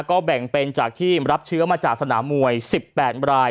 ก็แบ่งเป็นจากที่รับเชื้อมาจากสนามมวย๑๘ราย